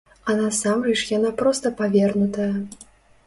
А насамрэч яна проста павернутая!